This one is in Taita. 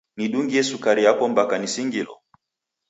Nidungie sukari yapo mpaka nisingilo!